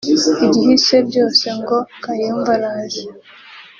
igihise byose ngo Kayumba araje